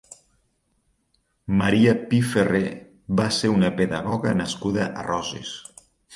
Maria Pi Ferrer va ser una pedagoga nascuda a Roses.